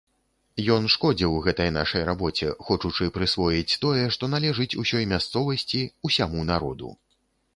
Ён шкодзіў гэтай нашай рабоце, хочучы прысвоіць тое, што належыць усёй мясцовасці, усяму народу.